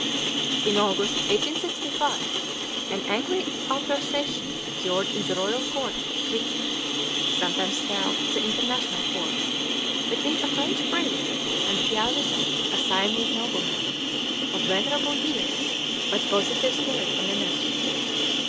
In August, 1865, an angry altercation occurred in the Royal Court of Equity (sometimes styled the International Court) between a French priest and Phya Wiset, a Siamese nobleman, of venerable years, but positive spirit and energy.